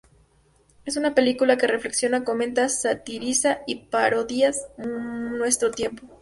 Es una película que reflexiona, comenta, satiriza y parodias nuestro tiempo.